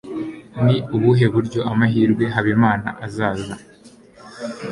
ni ubuhe buryo amahirwe habimana azaza